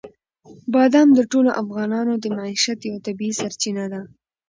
بادام د ټولو افغانانو د معیشت یوه طبیعي سرچینه ده.